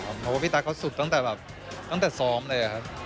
เพราะว่าพี่ตั๊กเขาสุดตั้งแต่แบบตั้งแต่ซ้อมเลยครับ